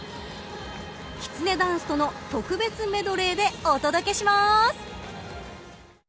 きつねダンスとの特別メドレーでお届けします。